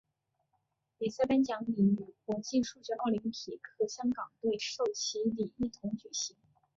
比赛颁奖礼与国际数学奥林匹克香港队授旗礼一同举行。